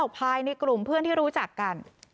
ภายในกลุ่มเพื่อนที่รู้จักกัน